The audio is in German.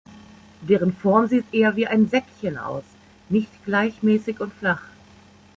Deren Form sieht eher wie ein Säckchen aus, nicht gleichmäßig und flach.